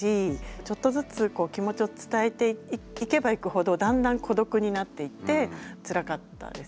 ちょっとずつこう気持ちを伝えていけばいくほどだんだん孤独になっていってつらかったです。